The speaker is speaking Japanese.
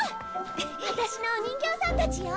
ワタシのお人形さんたちよ。